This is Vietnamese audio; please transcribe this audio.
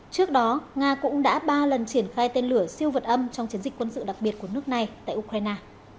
trước đó nga cũng đã ba lần triển khai tên lửa siêu vật âm trong chiến dịch quân sự đặc biệt của nước này tại ukraine